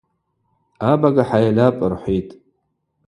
Абага хӏайльапӏ, рхӏвитӏ.